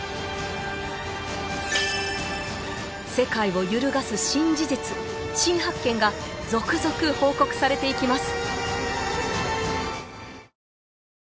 世界を揺るがす新事実新発見が続々報告されていきます